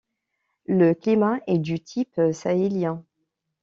Le climat est du type sahélien.